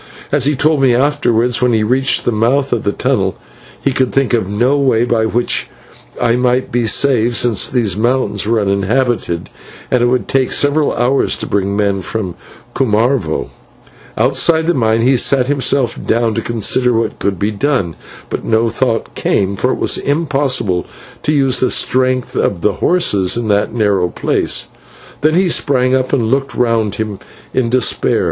As he told me afterwards, when he reached the mouth of the tunnel, he could think of no way by which I might be saved, since these mountains were uninhabited, and it would take several hours to bring men from Cumarvo. Outside the mine he sat himself down to consider what could be done, but no thought came, for it was impossible to use the strength of the horses in that narrow place. Then he sprang up and looked round him in despair.